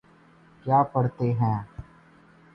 کیا پڑھتے ہیں